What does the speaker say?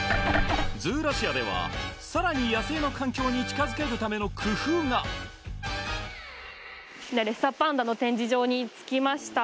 ズーラシアではさらに野生の環境に近づけるための工夫が！に着きました・